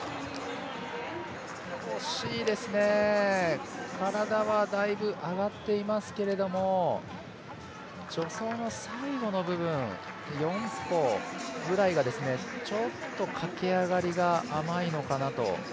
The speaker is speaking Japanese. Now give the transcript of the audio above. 惜しいですね、体はだいぶ、上がっていますけれども助走の最後の部分４歩ぐらいがかけ上がりが甘いのかなと。